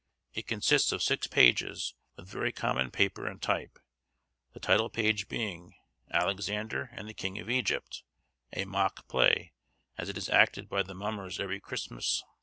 It consists of six pages, with very common paper and type, the title page being, 'Alexander and the King of Egypt. A mock play, as it is acted by the mummers every Christmas.